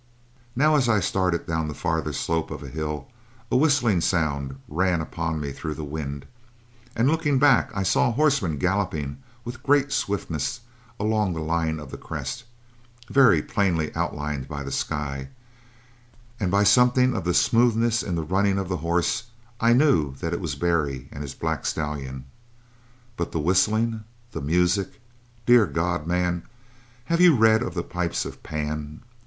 "Now as I started down the farther slope of a hill a whistling sound ran upon me through the wind, and looking back I saw a horseman galloping with great swiftness along the line of the crest, very plainly outlined by the sky, and by something of smoothness in the running of the horse I knew that it was Barry and his black stallion. But the whistling the music! Dear God, man, have you read of the pipes of Pan?